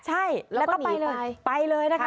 ใช่แล้วก็ไปเลยนะคะ